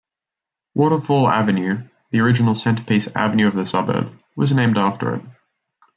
Waterfall Avenue, the original centre-piece avenue of the suburb, was named after it.